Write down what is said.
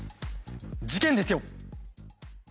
事件ですよ。